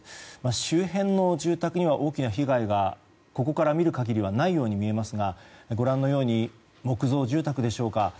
周辺の住宅には大きな被害がここから見る限りはないように見えますがご覧のように木造住宅でしょうか。